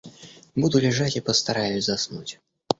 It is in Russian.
Буду лежать и постараюсь заснуть.